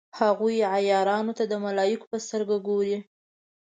هغوی عیارانو ته د ملایکو په سترګه ګوري.